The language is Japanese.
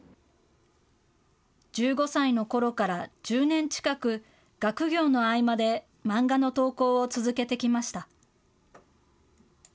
１５歳のころから１０年近く、学業の合間で漫画の投稿を続けてきました。